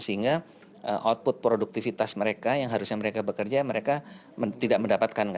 sehingga output produktivitas mereka yang harusnya mereka bekerja mereka tidak mendapatkan